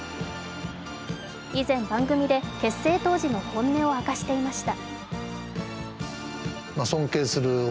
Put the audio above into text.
以前、番組で結成当時の本音を明かしていました。